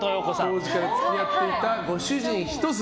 当時から付き合っていたご主人一筋。